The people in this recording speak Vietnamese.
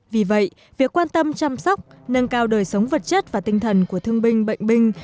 vì vậy việc quan tâm chăm sóc nâng cao đời sống vật chất và tinh thần của thương binh bệnh binh